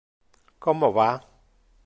Como va?